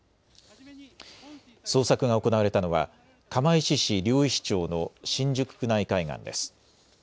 捜索が行われたのは釜石市両石町の真白区内海岸です。